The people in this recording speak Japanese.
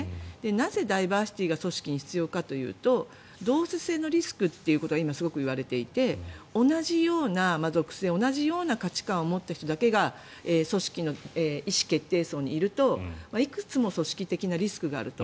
なぜ、ダイバーシティーが組織に必要かというと同質性のリスクというのが今すごく言われていて同じような属性同じような価値観を持った人だけが組織の意思決定層にいるといくつも組織的なリスクがあると。